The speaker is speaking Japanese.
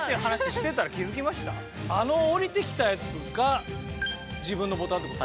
あの降りてきたやつが自分のボタンてこと？